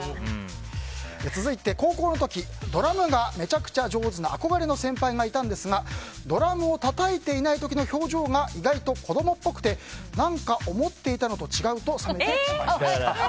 続いて、高校の時ドラムがめちゃくちゃ上手な憧れの先輩がいたんですがドラムをたたいていない時の表情が意外と子供っぽくて何か思ってたのと違うと冷めてしまいました。